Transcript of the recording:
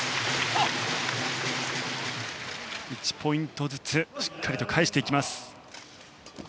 １ポイントずつしっかりと返していきます。